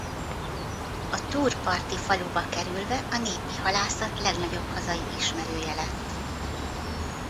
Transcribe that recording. A Túr parti faluba kerülve a népi halászat legnagyobb hazai ismerője lett.